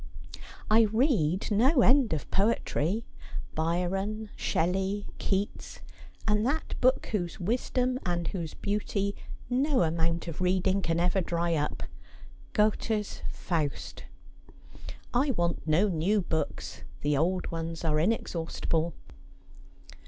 I read no end of poetry — Byron, Shelley, Keats — and that book whose wisdom and whose beauty no amount of reading can ever dry up — Goethe's " Faust." I v,'ant no new books — the old ones are in exhaustible.